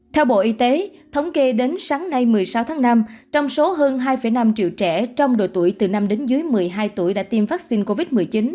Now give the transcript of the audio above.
theo bộ y tế thống kê đến sáng nay một mươi sáu tháng năm trong số hơn hai năm triệu trẻ trong độ tuổi từ năm đến dưới một mươi hai tuổi đã tiêm vaccine covid một mươi chín